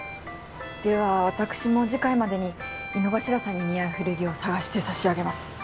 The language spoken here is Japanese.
では私も次回までに井之頭さんに似合う古着を探してさしあげます。